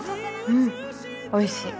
うんおいしい